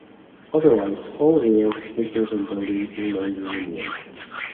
Otherwise all rails, sleepers and buildings no longer remain.